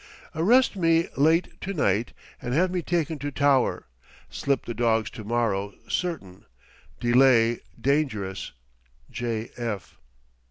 "Arrest me late to night and have me taken to Tower. Slip the dogs to morrow certain, delay dangerous. J.